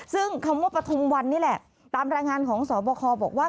ซึ่งคำว่าปฐุมวันนี่แหละตามรายงานของสบคบอกว่า